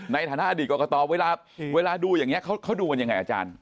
ในฐานะอดีตกรกตเวลาดูอย่างนี้เขาดูกันยังไงอาจารย์